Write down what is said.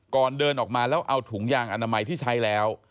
ก่อนเดินออกมาแล้วเอาถุงยางอนามัยที่ใช้แล้ว